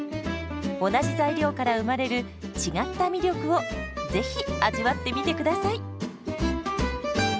同じ材料から生まれる違った魅力をぜひ味わってみてください。